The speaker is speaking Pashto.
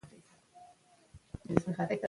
لیکوال له سختو روحي او رواني تجربو سره مخ و.